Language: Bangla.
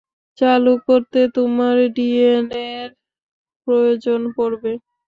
চালু করতে তোমার ডিএনএ-র প্রয়োজন পড়বে।